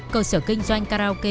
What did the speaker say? cơ sở kinh doanh karaoke